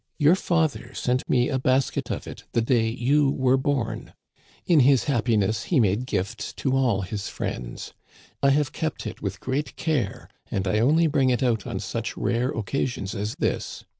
Your father sent me a basket of it the day you were born. In his happiness he made gifts to all his friends. I have kept it with great care, and I only bring it out on such rare occasions as this.